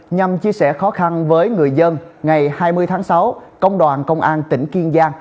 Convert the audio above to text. nhằm chia sẻ khó khăn với người dân ngày hai mươi tháng sáu công đoàn công an tỉnh kiên giang